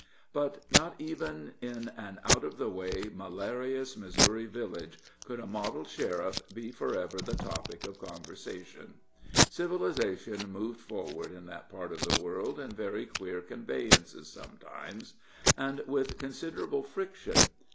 But not even in an out of the way, malarious Missouri village, could a model sheriff be for ever the topic of conversation. Civilization moved forward in that part of the world in very queer conveyances sometimes, and with considerable friction.